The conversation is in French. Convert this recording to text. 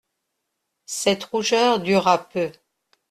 Cette rougeur dura peu.